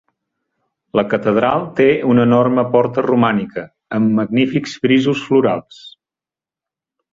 La Catedral té una enorme porta romànica, amb magnífics frisos florals.